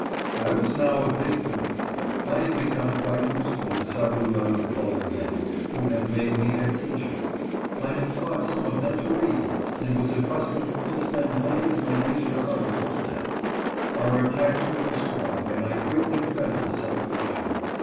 I was now a big boy. I had be come quite useful to several young colored men, who had made me their teacher. I had taught some of them to read, and was accustomed to spend many of my leisure hours with them. Our attachment was strong, and I greatly dreaded the separation.